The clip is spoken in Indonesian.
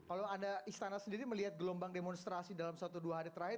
kalau anda istana sendiri melihat gelombang demonstrasi dalam satu dua hari terakhir